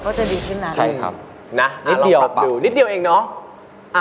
ก็จะดีขึ้นนะใช่ครับนะนิดเดียวนิดเดียวเองเนาะ